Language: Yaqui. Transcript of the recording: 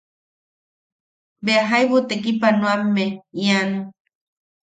Bea jaibu tekipanoamme ian.